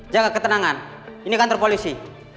jaga ketenangan ini kantor polisi